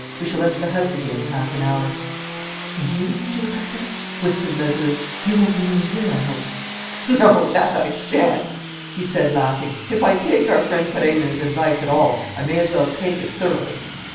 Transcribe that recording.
We shall enter the house again in half an hour." "And you, Monsieur le Préfet?" whispered Mazeroux, "You won't remain here, I hope?" "No, that I shan't!" he said, laughing. "If I take our friend Perenna's advice at all, I may as well take it thoroughly!"